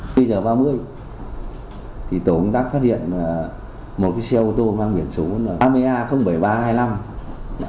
bây giờ ba mươi tổ hợp tác phát hiện một xe ô tô mang biển số ba mươi a bảy nghìn ba trăm hai mươi năm